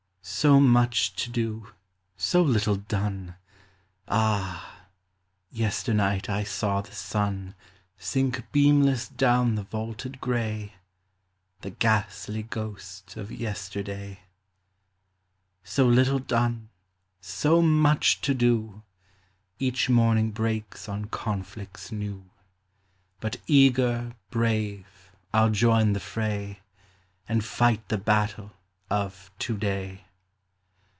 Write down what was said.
So much to do : so little done ! Ah I yesternight I saw the sun Sink beamless down the vaulted gray, — The ghastly ghost of Yesterday. So little done : bo much to do! Each morning breaks on miiHirls new; 190 POEMS OF SENTIMENT. But eager, brave, I '11 join the fray* And fight the battle of To day.